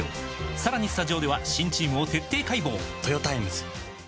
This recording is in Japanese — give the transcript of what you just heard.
さらにスタジオでは新チームを徹底解剖！